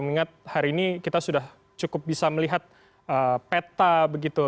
mengingat hari ini kita sudah cukup bisa melihat peta begitu